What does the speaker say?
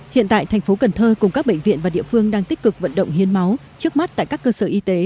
hiện tại tp cn cùng các bệnh viện và địa phương đang tích cực vận động hiến máu trước mắt tại các cơ sở y tế